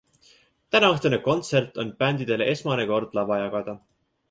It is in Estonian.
Tänaõhtune kontsert on bändidele esimene kord lava jagada.